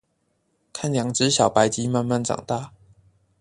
看兩隻小白雞慢慢長大